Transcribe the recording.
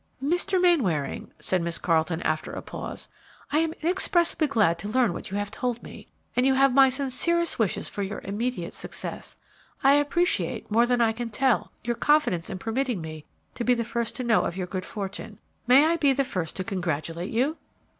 "Mr. Mainwaring," said Miss Carleton, after a pause, "I am inexpressibly glad to learn what you have told me, and you have my sincerest wishes for your immediate success. I appreciate, more than I can tell, your confidence in permitting me to be the first to know of your good fortune. May I be the first to congratulate you?"